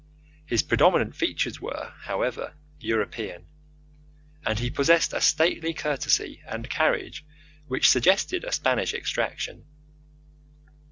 His predominant features were, however, European, and he possessed a stately courtesy and carriage which suggested a Spanish extraction.